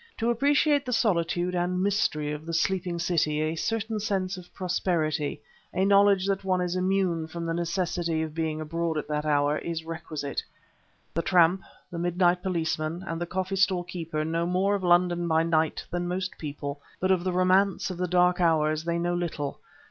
To appreciate the solitude and mystery of the sleeping city, a certain sense of prosperity a knowledge that one is immune from the necessity of being abroad at that hour is requisite. The tramp, the night policeman and the coffee stall keeper know more of London by night than most people but of the romance of the dark hours they know little.